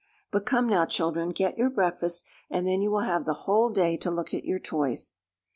But come now, children, get your breakfast and then you will have the whole day to look at your toys."